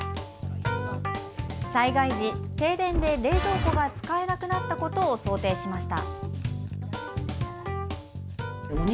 災害時、停電で冷蔵庫が使えなくなったことを想定しました。